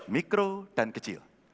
mikro dan kecil